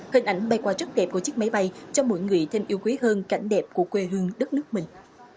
hình ảnh bay qua rất đẹp của chiếc máy bay cho mỗi người thêm yêu quý hơn cảnh đẹp của quê hương đất nước mình